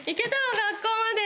学校まで。